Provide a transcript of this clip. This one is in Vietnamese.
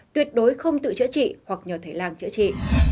tuyệt đối không tự chữa trị hoặc nhờ thầy lang chữa trị